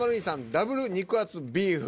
「ダブル肉厚ビーフ」